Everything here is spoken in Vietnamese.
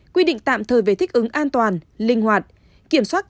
quy định tạm thời về thích ứng an toàn linh hoạt